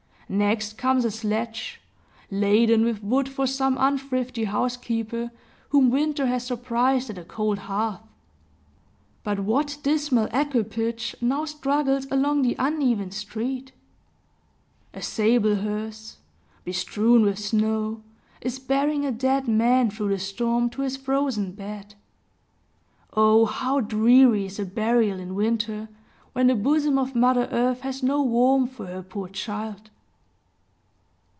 Next comes a sledge, laden with wood for some unthrifty housekeeper, whom winter has surprised at a cold hearth. But what dismal equipage now struggles along the uneven street? A sable hearse, bestrewn with snow, is bearing a dead man through the storm to his frozen bed. O, how dreary is a burial in winter, when the bosom of Mother Earth has no warmth for her poor child!